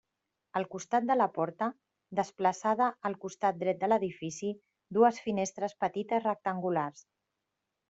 Al costat de la porta, desplaçada al costat dret de l'edifici, dues finestres petites rectangulars.